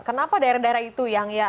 kenapa daerah daerah itu yang